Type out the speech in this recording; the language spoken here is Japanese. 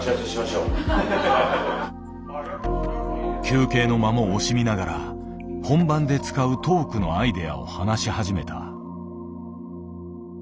休憩の間も惜しみながら本番で使うトークのアイデアを話し始めた。